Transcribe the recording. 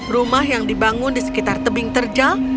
rumah yang dibangun di sekitar tebing terjal